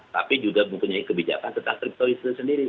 tapi juga mempunyai kebijakan tentang crypto itu sendiri